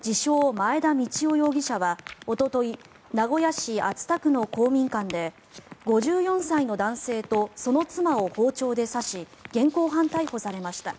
・前田道夫容疑者はおととい名古屋市熱田区の公民館で５４歳の男性とその妻を包丁で刺し現行犯逮捕されました。